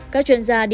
các chuyên gia đề nghị